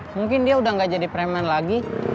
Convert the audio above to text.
mungkin dia udah gak jadi preman lagi